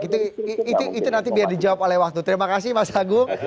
itu nanti biar dijawab oleh wakil gubernur